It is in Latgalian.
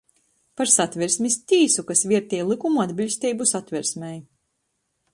Par Satversmis tīsu, kas viertej lykumu atbiļsteibu Satversmei.